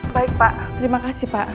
baik pak terima kasih pak